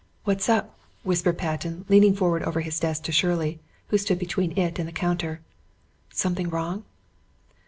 "What's up?" whispered Patten, leaning forward over his desk to Shirley, who stood between it and the counter. "Something wrong?"